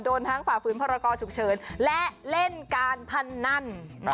โดนทั้งฝ่าฝืนพรกรฉุกเฉินและเล่นการพนัน